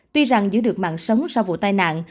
tuy rằng giữ được mạng sống sau vụ tai nạn